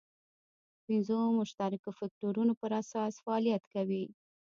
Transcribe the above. پنځو مشترکو فکټورونو پر اساس فعالیت کوي.